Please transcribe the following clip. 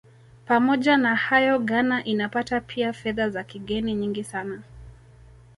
Pamoja na hayo Ghana inapata pia Fedha za kigeni nyingi sana